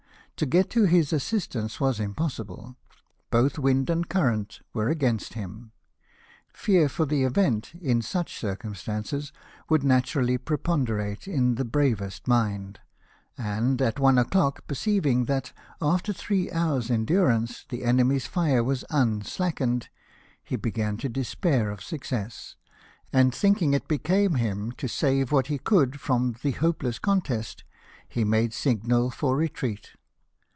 To get to his assistance was impossible ; both wind and current were against him. Fear for the event, in such circumstances, would naturally preponderate in 232 LIFE OF NELSON. the bravest mind, and, at one o'clock, perceiving that, after three hours' endurance, the enemy's fire was unslackened, he began to despair of success ; and thinking it became him to save what he could from the hopeless contest, he made signal for retreat.